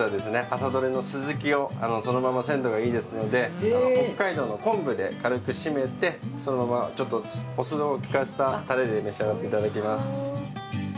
朝どれの鱸をそのまま鮮度がいいですので北海道の昆布で軽くしめてそのままちょっとお酢をきかせたタレで召し上がって頂きます。